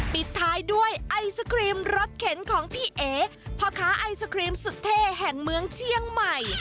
ปิดท้ายด้วยไอศครีมรสเข็นของพี่เอ๋พ่อค้าไอศครีมสุดเท่แห่งเมืองเชียงใหม่